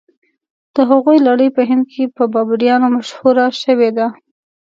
د هغوی لړۍ په هند کې په بابریانو مشهوره شوې ده.